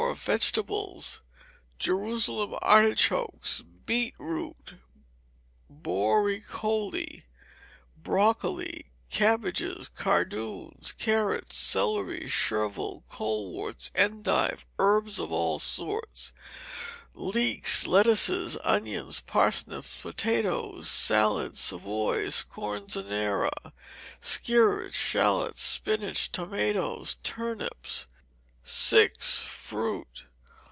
Vegetables. Jerusalem artichokes, beet root, borecole, broccoli, cabbages, cardoons, carrots, celery, chervil, coleworts, endive, herbs of all sorts, leeks, lettuces, onions, parsnips, potatoes, salad, Savoys, scorzonera, skirrets, shalots, spinach, tomatoes, turnips. v. Fruit.